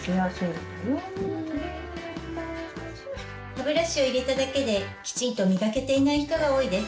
歯ブラシを入れただけできちんと磨けていない人が多いです。